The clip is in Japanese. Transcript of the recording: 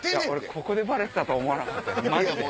ここでバレてたとは思わなかった。